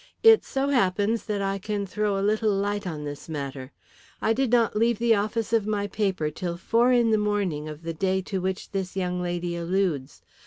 "It so happens that I can throw a little light on this matter. I did not leave the office of my paper till four in the morning of the day to which this young lady alludes.